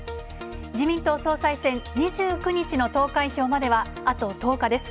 自民党総裁選、２９日の投開票まではあと１０日です。